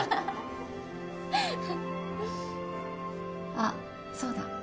あっそうだ。